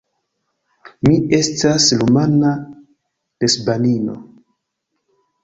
Mi estas rumana lesbanino.